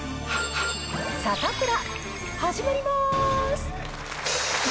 サタプラ、始まります。